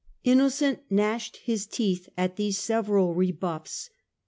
Innocent gnashed his teeth at these several rebuffs.